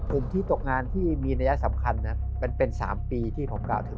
ถึงที่ตกงานที่มีระยะสำคัญเป็นเป็น๓ปีที่ผมกล่าวถึง